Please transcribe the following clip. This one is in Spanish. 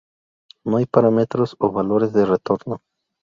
No hay parámetros o valores de retorno.